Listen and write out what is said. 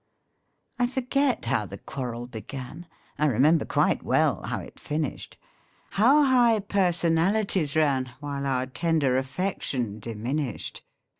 I forget how the quarrel began ; I remember quite well how it finished ; How high personalities ran, While our tender affection diminished.